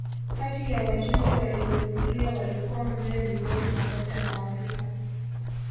Kati ya wajumbe waliohudhuria walikuwa mzee Dubois pamoja na Waafrika